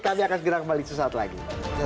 kami akan segera kembali sesaat lagi